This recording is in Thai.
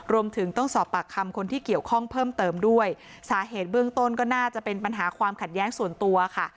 รวมถึงต้องสอบปากคำคนที่เกี่ยวข้องเพิ่มเติมด้วยสาเหตุเบื้องต้นก็น่าจะเป็นปัญหาความขัดแย้งส่วนตัวค่ะ